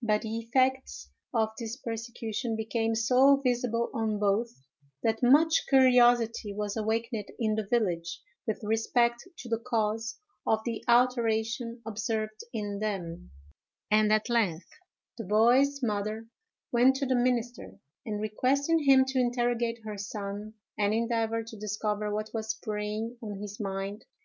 But the effects of this persecution became so visible on both, that much curiosity was awakened in the village with respect to the cause of the alteration observed in them; and at length the boy's mother went to the minister, requesting him to interrogate her son, and endeavor to discover what was preying on his mind.